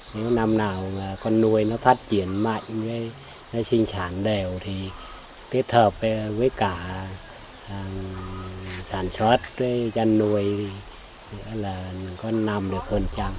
nếu năm nào con nuôi nó phát triển mạnh nó sinh sản đều thì kết hợp với cả sản xuất chăn nuôi thì có năm được hơn trăm